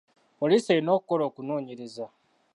Poliisi erina okukola okunoonyeraza.